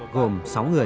gồm sáu người